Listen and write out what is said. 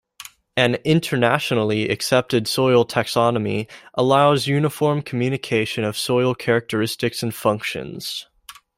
An internationally accepted soil taxonomy allows uniform communication of soil characteristics and functions.